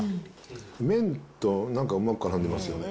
麺となんかうまくからんでますよね。